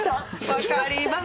分かります。